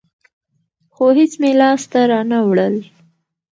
خو هېڅ مې لاس ته رانه وړل.